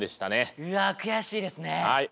うわ悔しいですね！